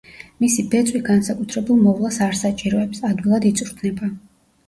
მისი ბეწვი განსაკუთრებულ მოვლას არ საჭიროებს, ადვილად იწვრთნება.